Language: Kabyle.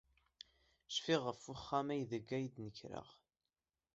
Cfiɣ ɣef wexxam aydeg ay d-nekreɣ.